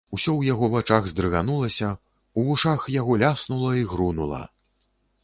Усё ў яго вачах здрыганулася, у вушах яго ляснула і грунула.